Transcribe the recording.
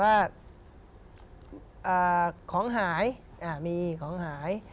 ว่าของหายมีของหาย